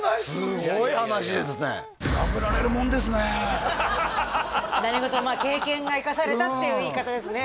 すごい話ですね何事も経験が生かされたっていう言い方ですね